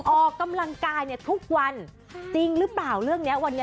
ออกกำลังกายเนี่ยทุกวันจริงหรือเปล่าเรื่องเนี้ยวันนี้